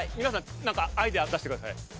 皆さんなんかアイデア出してください。